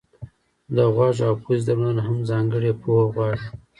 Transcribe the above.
د غوږ او پزې درملنه هم ځانګړې پوهه غواړي.